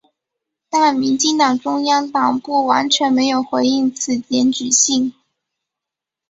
但民进党中央党部完全没有回应此检举信。